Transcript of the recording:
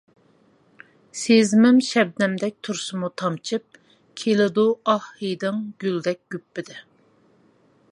سېزىمىم شەبنەمدەك تۇرسىمۇ تامچىپ، كېلىدۇ ئاھ ھىدىڭ گۈلدەك گۈپپىدە.